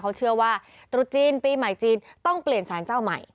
เขาเชื่อว่าตรุษจีนปีใหม่จีนต้องเปลี่ยนสารเจ้าใหม่